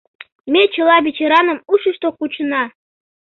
Ме чыла ветераным ушышто кучена.